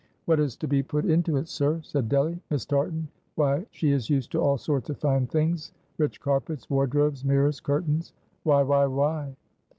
"What is to be put into it, sir?" said Delly. "Miss Tartan why, she is used to all sorts of fine things, rich carpets wardrobes mirrors curtains; why, why, why!"